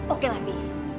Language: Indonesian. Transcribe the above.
oke lah bi